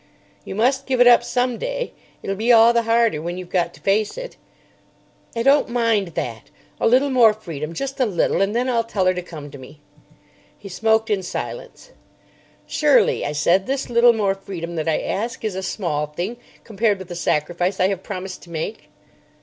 "You must give it up some day. It'll be all the harder when you've got to face it." "I don't mind that. A little more freedom, just a little; and then I'll tell her to come to me." He smoked in silence. "Surely," I said, "this little more freedom that I ask is a small thing compared with the sacrifice I have promised to make?"